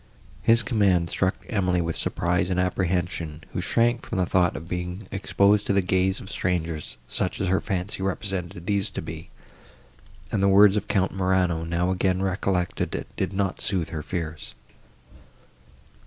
His command struck Emily with surprise and apprehension, who shrank from the thought of being exposed to the gaze of strangers, such as her fancy represented these to be, and the words of Count Morano, now again recollected, did not sooth her fears.